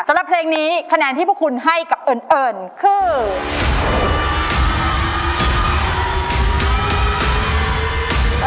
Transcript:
สำหรับเพลงนี้คะแนนที่พวกคุณให้กับเอิญคือ